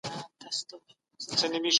خوشبختي د ذهن له لارې رامنځته کېږي.